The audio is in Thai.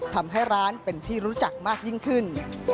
ทำให้ร้านเป็นที่รู้จักมากยิ่งขึ้น